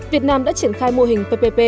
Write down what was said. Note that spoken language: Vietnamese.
việt nam đã triển khai mô hình ppp